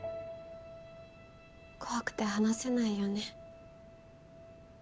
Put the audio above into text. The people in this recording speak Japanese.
怖くて話せないよね。